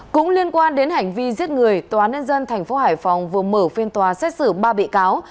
cũng liên quan đến hành vi giết người tòa nhân dân tp hải phòng vừa mở phiên tòa xét xử ba bị cáo